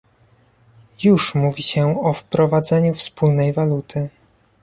Już mówi się o wprowadzeniu wspólnej waluty